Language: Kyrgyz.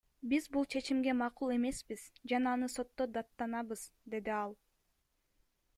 Биз бул чечимге макул эмеспиз жана аны сотто даттанабыз, — деди ал.